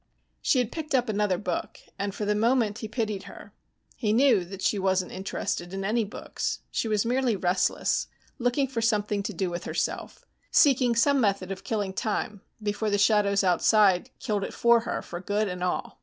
She had picked up another book, and for the moment he pitied her. He knew that she wasn't interested in any books. She was merely restless, looking for something to do with herself, seeking some method of killing time before the shadows outside killed it for her for good and all.